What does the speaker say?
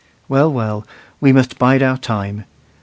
Well, well, we must bide our time.